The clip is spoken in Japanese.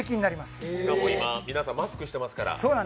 しかも今、皆さんマスクしてますから。